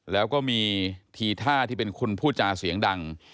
แล้วก็มีทีท่าที่เป็นคุณพูดจาเสียงดัง